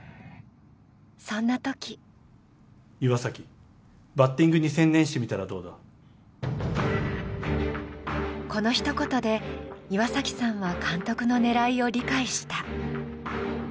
そんなときこのひと言で、岩崎さんは監督に狙いを理解した。